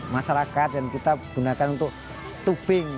masyarakat yang kita gunakan untuk tubing